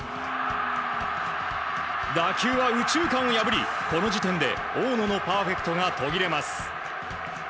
打球は右中間を破り、この時点で大野のパーフェクトが途切れます。